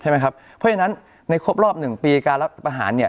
เพราะฉะนั้นในครบรอบหนึ่งปีการรับอาหาร